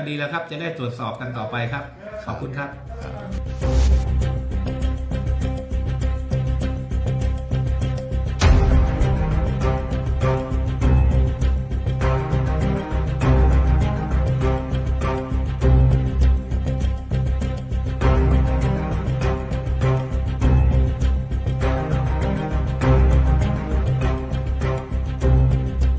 ดีแล้วครับจะได้ตรวจสอบกันต่อไปครับขอบคุณครับ